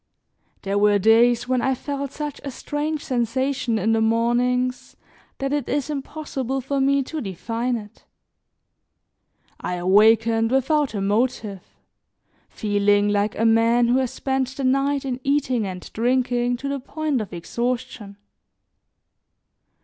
There were days when I felt such a strange sensation in the mornings, that it is impossible for me to define it. I awakened without a motive, feeling like a man who has spent the night in eating and drinking to the point of exhaustion.